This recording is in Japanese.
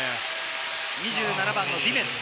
２７番のディメッツ。